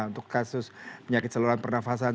untuk kasus penyakit saluran pernafasan